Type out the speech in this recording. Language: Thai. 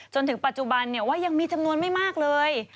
จนถึงปัจจุบันว่ายังมีจำนวนไม่มากเลย